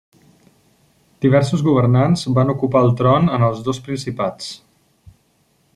Diversos governants van ocupar el tron en els dos principats.